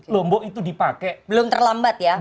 lombok itu dipakai belum terlambat ya